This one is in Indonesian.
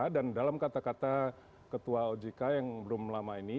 dan dalam kata kata ketua ojk yang belum lama ini